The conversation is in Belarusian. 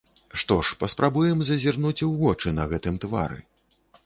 Што ж, паспрабуем зазірнуць ў вочы на гэтым твары.